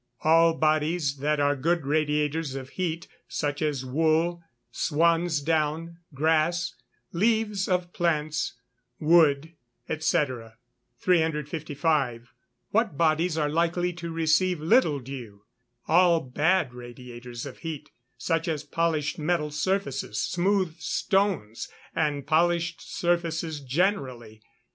_ All bodies that are good radiators of heat, such as wool, swansdown, grass, leaves of plants, wood, &c. 355. What bodies are likely to receive little dew? All bad radiators of heat, such as polished metal surfaces, smooth stones, and polished surfaces generally.